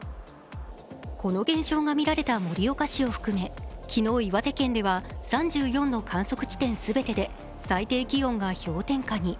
この現象が見られた盛岡市を含め昨日、岩手県では３４の観測地点全てで最低気温が氷点下に。